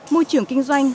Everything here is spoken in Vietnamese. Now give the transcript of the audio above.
môi trường kinh doanh